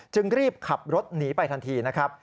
รีบขับรถหนีไปทันทีนะครับ